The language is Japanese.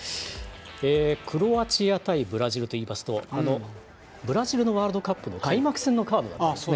クロアチア対ブラジルといいますとブラジルのワールドカップの開幕戦のカードだったんですね。